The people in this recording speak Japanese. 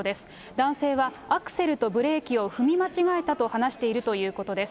男性はアクセルとブレーキを踏み間違えたと話しているということです。